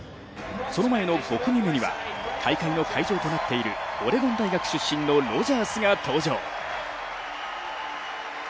その前の５組目には、大会の会場となっているオレゴン大学出身のロジャースが登場。